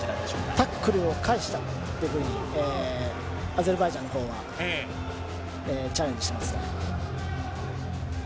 タックルを返したというふうに、アゼルバイジャンはチャレンジしています。